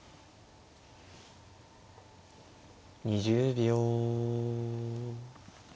２０秒。